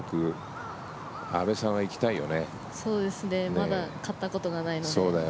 まだ勝ったことがないので。